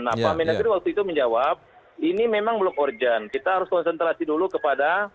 nah pak mendagri waktu itu menjawab ini memang belum urgent kita harus konsentrasi dulu kepada